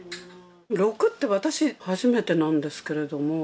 ６って、私、初めてなんですけれども。